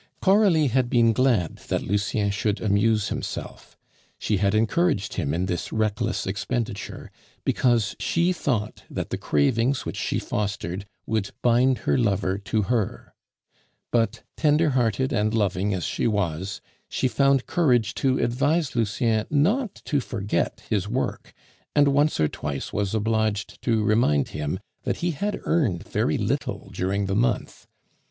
Coralie had been glad that Lucien should amuse himself; she had encouraged him in this reckless expenditure, because she thought that the cravings which she fostered would bind her lover to her. But tender hearted and loving as she was, she found courage to advise Lucien not to forget his work, and once or twice was obliged to remind him that he had earned very little during the month.